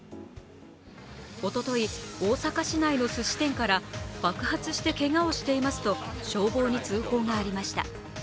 おととい、大阪市内のすし店から爆発してけがをしていますと消防に通報がありました。